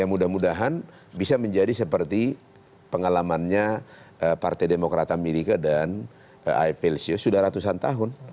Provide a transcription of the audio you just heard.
mudah mudahan bisa menjadi seperti pengalamannya partai demokrat amerika dan iplcu sudah ratusan tahun